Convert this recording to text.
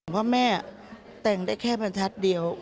เพราะแม่แต่งได้แค่บรรทัศน์เดียว